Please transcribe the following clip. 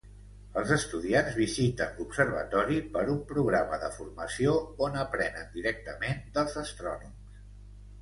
Els estudiants visiten l'observatori per un programa de formació, on aprenen directament dels astrònoms.